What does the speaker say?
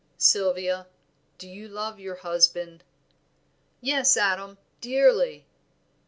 Sylvia, do you love your husband?" "Yes, Adam, dearly."